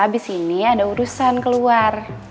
abis ini ada urusan keluar